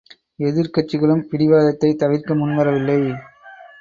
எதிர்க்கட்சிகளும் பிடிவாதத்தைத் தவிர்க்க முன்வரவில்லை.